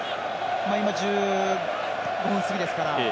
今、１５分過ぎですから。